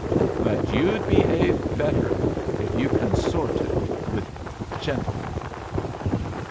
But you'd behave better if you consorted with gentlemen."